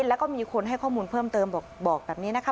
แล้วก็มีคนให้ข้อมูลเพิ่มเติมบอกแบบนี้นะคะ